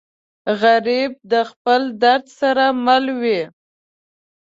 غریب د خپل درد سره مل وي